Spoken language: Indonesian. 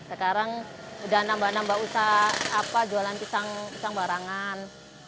sekarang sudah nambah nambah usaha jualan pisang pisang barangan